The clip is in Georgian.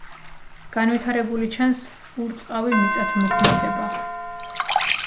განვითარებული ჩანს ურწყავი მიწათმოქმედება.